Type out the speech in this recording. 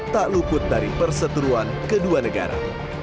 tak luput dari perseturuan kedua negara